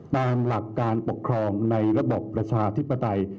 ตามหลักการปกครองในระบบประชาธิปไตย